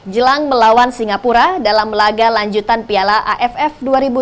jelang melawan singapura dalam laga lanjutan piala aff dua ribu dua puluh